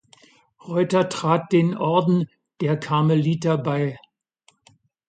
Reuter trat den Orden der Karmeliter bei.